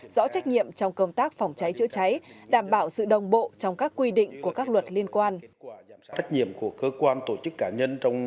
rõ trách nhiệm trong công tác phòng cháy chữa cháy đảm bảo sự đồng bộ trong các quy định của các luật liên quan